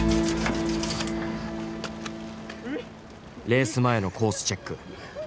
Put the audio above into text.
レース前のコースチェック。